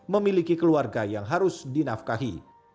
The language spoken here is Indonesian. memiliki keluarga yang harus dinafkahi